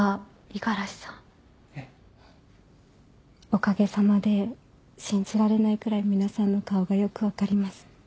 おかげさまで信じられないくらい皆さんの顔がよく分かります。